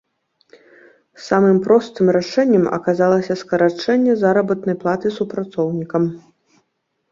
Самым простым рашэннем аказалася скарачэнне заработнай платы супрацоўнікам.